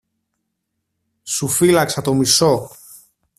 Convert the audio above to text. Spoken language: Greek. Σου φύλαξα το μισό.